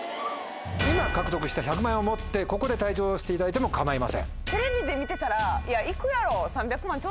今獲得した１００万円を持ってここで退場していただいても構いません。